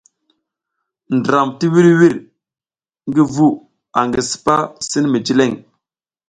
Ndram ti wirwir ngi vu angi sipa sin mi jileŋ.